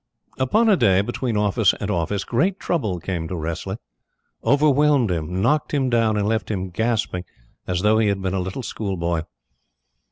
Upon a day, between office and office, great trouble came to Wressley overwhelmed him, knocked him down, and left him gasping as though he had been a little school boy.